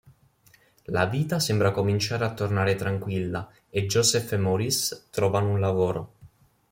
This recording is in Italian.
La vita sembra cominciare a tornare tranquilla e Joseph e Maurice trovano un lavoro.